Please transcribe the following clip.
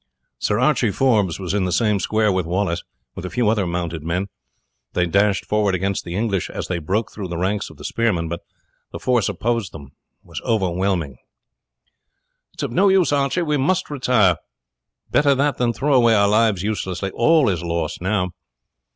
Sir Archie Forbes was in the same square with Wallace, with a few other mounted men. They dashed forward against the English as they broke through the ranks of the spearmen, but the force opposed them was overwhelming. "It is of no use, Archie; we must retire. Better that than throw away our lives uselessly. All is lost now."